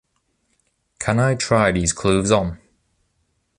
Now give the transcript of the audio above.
Can I try these clothes on?